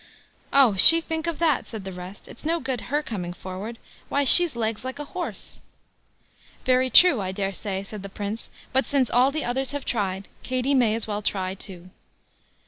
"Oh! she think of that!" said the rest; "it's no good her coming forward. Why, she's legs like a horse." "Very true, I daresay", said the Prince; "but since all the others have tried, Katie may as well try too."